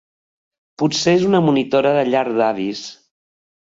Potser és una monitora de llar d'avis.